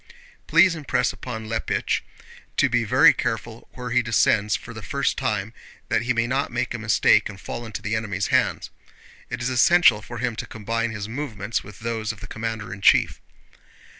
Please impress upon Leppich to be very careful where he descends for the first time, that he may not make a mistake and fall into the enemy's hands. It is essential for him to combine his movements with those of the commander in chief.